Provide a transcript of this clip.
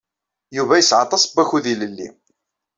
Yuba yesɛa aṭas n wakud ilelli.